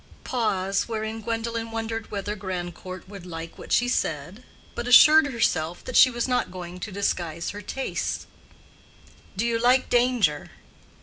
(Pause, wherein Gwendolen wondered whether Grandcourt would like what she said, but assured herself that she was not going to disguise her tastes.) "Do you like danger?"